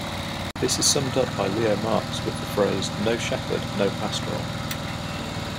This is summed up by Leo Marx with the phrase No shepherd, no pastoral.